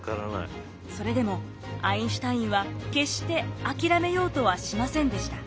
それでもアインシュタインは決して諦めようとはしませんでした。